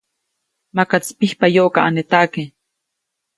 Makaʼtsi pijpayoʼkaʼanetaʼke.